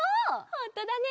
ほんとだね！